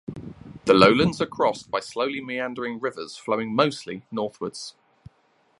The lowlands are crossed by slowly meandering rivers flowing mostly northwards.